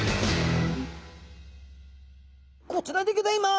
こちらでギョざいます！